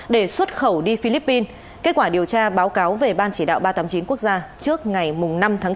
để xuất khẩu đi philippines kết quả điều tra báo cáo về ban chỉ đạo ba trăm tám mươi chín quốc gia trước ngày năm tháng bốn